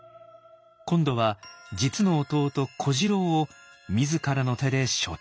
今度は実の弟小次郎を自らの手で処刑。